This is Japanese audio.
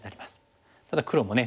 ただ黒もね